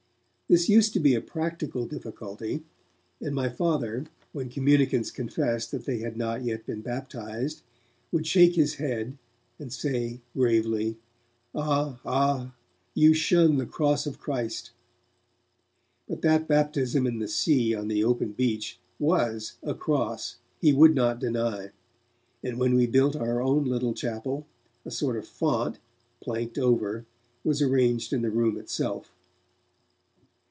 This used to be a practical difficulty, and my Father, when communicants confessed that they had not yet been baptized, would shake his head and say gravely, 'Ah! ah! you shun the Cross of Christ!' But that baptism in the sea on the open beach was a 'cross', he would not deny, and when we built our own little chapel, a sort of font, planked over, was arranged in the room itself.